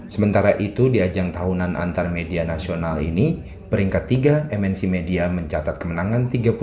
sementara itu di ajang tahunan antar media nasional ini peringkat tiga mnc media mencatat kemenangan tiga puluh tujuh tiga puluh tiga atas mtec